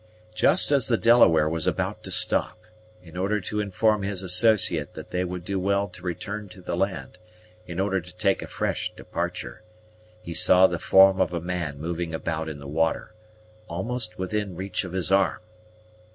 Just as the Delaware was about to stop, in order to inform his associate that they would do well to return to the land, in order to take a fresh departure, he saw the form of a man moving about in the water, almost within reach of his arm.